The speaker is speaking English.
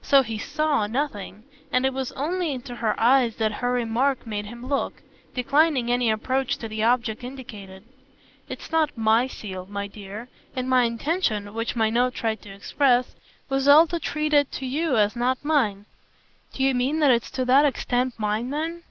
So he "saw" nothing, and it was only into her eyes that her remark made him look, declining any approach to the object indicated. "It's not 'my' seal, my dear; and my intention which my note tried to express was all to treat it to you as not mine." "Do you mean that it's to that extent mine then?"